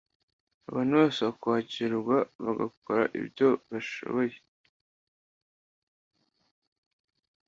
Abantu bose bakwakirwa bagakora ibyo bashoboye